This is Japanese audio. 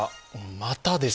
またです。